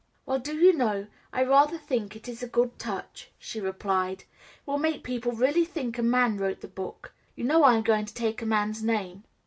"Well, do you know, I rather think that is a good touch," she replied; "it will make people really think a man wrote the book. You know I am going to take a man's name."